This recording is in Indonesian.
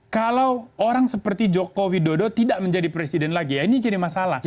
kalau orang seperti joko widodo tidak menjadi presiden lagi ya ini jadi masalah